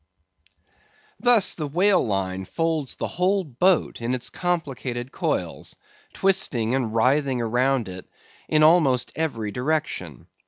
Thus the whale line folds the whole boat in its complicated coils, twisting and writhing around it in almost every direction.